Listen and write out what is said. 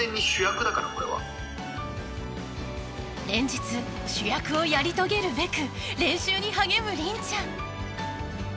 ［連日主役をやり遂げるべく練習に励む凛ちゃん］